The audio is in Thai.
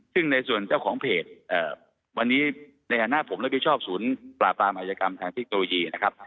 ซึ่งในส่วนเจ้าของเพจวันนี้ในห้างหน้าผมและผู้ชอบศูนย์ปลาปลามายกรรมทางที่โตยีนะครับ